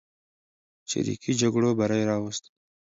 چریکي جګړو بری راوست.